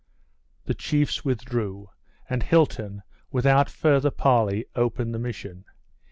The chiefs withdrew; and Hilton, without further parley, opened the mission.